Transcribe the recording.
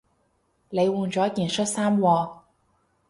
你換咗件恤衫喎